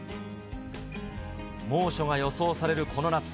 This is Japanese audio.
猛暑が予想されるこの夏。